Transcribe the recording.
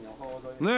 ねえ。